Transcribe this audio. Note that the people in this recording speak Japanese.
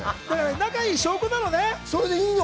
仲いい証拠だよね。